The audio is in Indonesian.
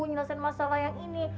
nyelesain masalah yang ini